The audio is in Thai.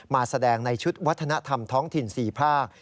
มาแสดงในชุดวัฒนธรรมท้องถิ่น๔ภาค